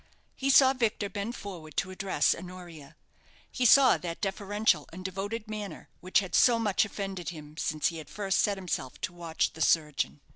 He saw Victor bend forward to address Honoria. He saw that deferential and devoted manner which had so much offended him since he had first set himself to watch the surgeon.